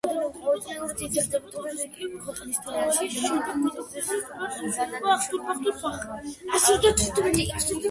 ტურისტთა რაოდენობა ყოველწლიურად იზრდება, ტურიზმი კი ქვეყნის მთლიანი შიდა პროდუქტისთვის მზარდად მნიშვნელოვანი წყარო ხდება.